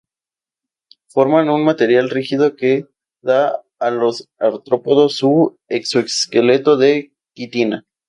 Forman un material rígido que da a los artrópodos su exoesqueleto de quitina.